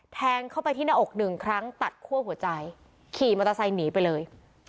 แทงเข้าไปที่หน้าอกหนึ่งครั้งตัดคั่วหัวใจขี่มอเตอร์ไซค์หนีไปเลย